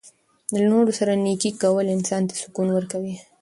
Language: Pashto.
له نورو سره نیکي کول انسان ته سکون ورکوي.